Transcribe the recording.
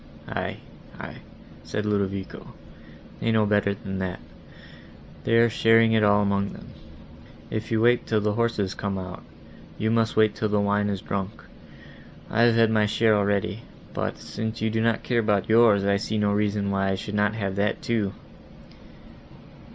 "Aye—aye," said Ludovico, "they know better than that; they are sharing it all among them; if you wait till the horses come out, you must wait till the wine is drunk. I have had my share already, but, since you do not care about yours, I see no reason why I should not have that too."